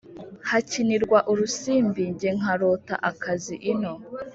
hakinirwaga urusimbi njye nkarota akazi ino